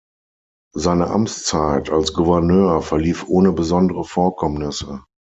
Seine Amtszeit als Gouverneur verlief ohne besondere Vorkommnisse.